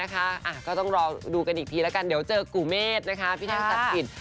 ก็ต้องรอดูกันอีกทีละกันเดี๋ยวเจอกุเมษนะคะพี่เพ่งศัตริย์อิน